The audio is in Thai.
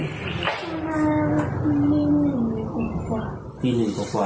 แม่เข้าบ้านตีหนึ่งกว่ากว่า